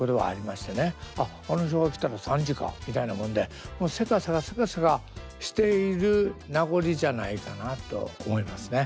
「あっあの人が来たら３時か」みたいなもんでもうせかせかせかせかしている名残じゃないかなと思いますね。